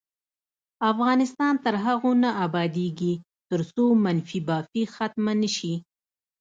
افغانستان تر هغو نه ابادیږي، ترڅو منفي بافي ختمه نشي.